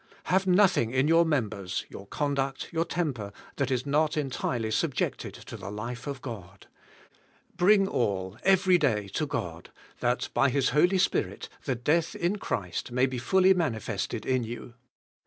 Have nothing in your members, your conduct, your temper, that is not entirely subjected to the life of God. Bring all, every day, to God, that by His Holy Spirit the death in Christ may be fully manifested in you.